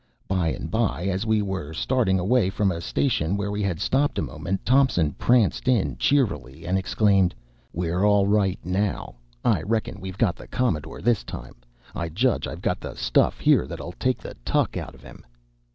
By and by, as we were starting away from a station where we had stopped a moment, Thompson pranced in cheerily and exclaimed, "We're all right, now! I reckon we've got the Commodore this time. I judge I've got the stuff here that'll take the tuck out of him."